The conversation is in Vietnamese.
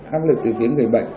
áp lực từ phía người bệnh